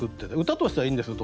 歌としてはいいんですよ